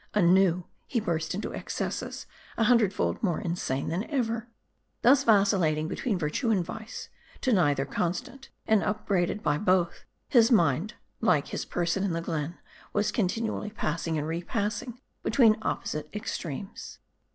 Anew, he burst into excesses, a hundred fold more insane than ever. Thus vacillating between virtue and vice ; to neither constant, and upbraided by both ; his mind, like his person in the glen, was continually passing and repassing between opposite extremes.